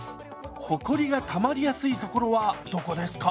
ほこりがたまりやすい所はどこですか？